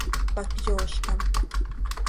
Pac yoozcam.